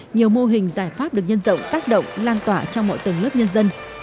nhiều mô hình giải pháp được nhân rộng tác động lan tỏa trong mọi tầng lớp nhân dân